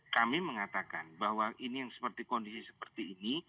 kami mengatakan bahwa ini yang seperti kondisi seperti ini